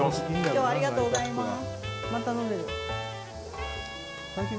今日はありがとうございます。